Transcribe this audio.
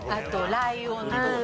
ライオン。